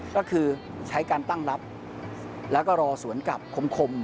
ก็คือใช้การตั้งรับแล้วก็รอสวนกลับคม